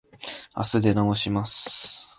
あす出直します。